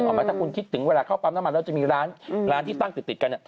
ไหมถ้าคุณคิดถึงเวลาเข้าปั๊มน้ำมันแล้วจะมีร้านที่ตั้งติดกัน